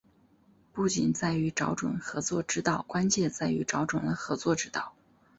不仅在于找准合作之道，关键在于找准了合作之道